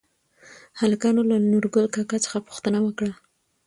هلکانو له نورګل کاکا څخه پوښتنه وکړه؟